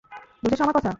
বুঝেছ আমার কথা?